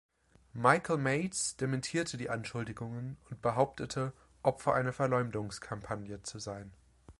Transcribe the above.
Michael Mates dementierte die Anschuldigungen und behauptete, Opfer einer Verleumdungskampagne zu sein.